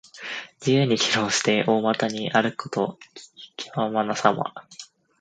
自由に議論して、大股に歩くこと。気ままなさま。